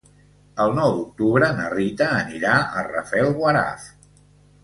El nou d'octubre na Rita anirà a Rafelguaraf.